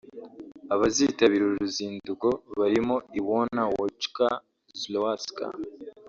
Abazitabira uru ruzinduko barimo Iwona Woicka-Żuławska